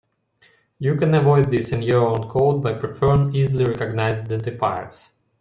You can avoid this in your own code by preferring easily recognized identifiers.